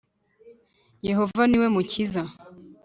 Yehova niwe mukiza .